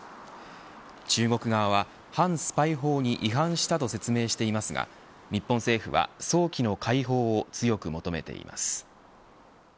中国側は反スパイ法に違反したと説明していますが、日本政府は早期の解放を強く求めています。